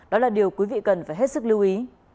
đó là điều quý vị cần phải hết sức lưu ý